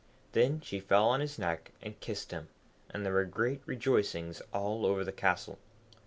Then she fell on his neck and kissed him, and there were great rejoicings all over the castle.